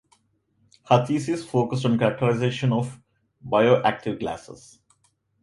Her thesis focused on characterization of bioactive glasses.